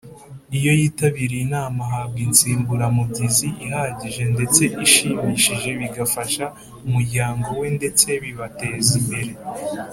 iyo yitabiriye inama ahabwa insimburamubyizi ihagije ndetse ishimishije bigafasha umuryango we ndetse bibateza imbere.